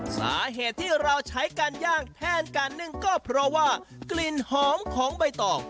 สาเหตุที่เราใช้การย่างแทนการนึ่งก็เพราะว่ากลิ่นหอมของใบตอง